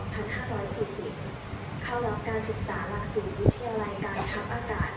เข้ารับการศึกษาราศีวิทยาลัยกายทัพอากาศ